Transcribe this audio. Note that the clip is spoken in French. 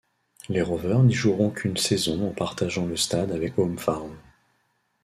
Les Rovers n'y joueront qu'une saison en partageant le stade avec Home Farm.